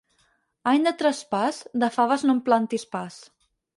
Any de traspàs, de faves no en plantis pas.